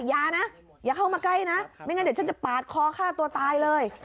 อย่านะอย่าเข้ามาใกล้นะไม่งั้นเดี๋ยวฉันจะปาดคอฆ่าตัวตายเลย